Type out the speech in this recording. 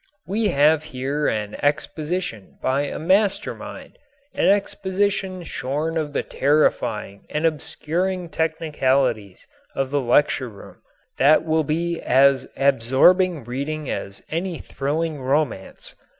We have here an exposition by a master mind, an exposition shorn of the terrifying and obscuring technicalities of the lecture room, that will be as absorbing reading as any thrilling romance.